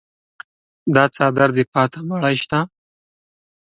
دا څادر دې پاته مړی شته.